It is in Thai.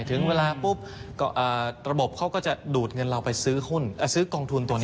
ถึงเวลาปุ๊บระบบเขาก็จะดูดเงินเราไปซื้อหุ้นซื้อกองทุนตัวนี้